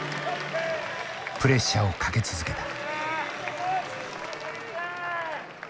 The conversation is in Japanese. プレッシャーをかけ続けた。